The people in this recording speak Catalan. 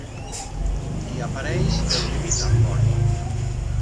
Hi apareix el límit arbori.